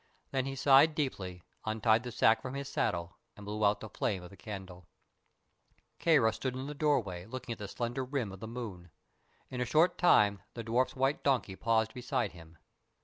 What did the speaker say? Then he sighed deeply, untied the sack from his saddle and blew out the flame of the candle. Kāra stood in the archway, looking at the slender rim of the moon. In a short time the dwarf's white donkey paused beside him.